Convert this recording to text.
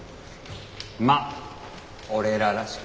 まっ俺ららしく。